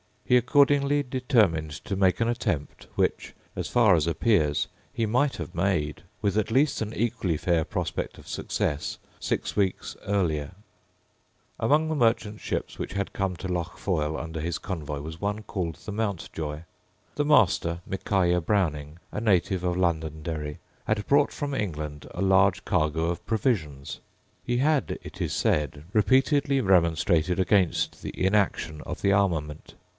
He accordingly determined to make an attempt which, as far as appears, he might have made, with at least an equally fair prospect of success, six weeks earlier, Among the merchant ships which had come to Lough Foyle under his convoy was one called the Mountjoy. The master, Micaiah Browning, a native of Londonderry, had brought from England a large cargo of provisions. He had, it is said, repeatedly remonstrated against the inaction of the armament.